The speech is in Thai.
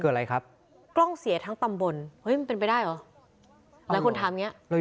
คืออะไรครับกล้องเสียทั้งตำบลเฮ้ยมันเป็นไปได้เหรอหลายคนถามอย่างเงี้เลย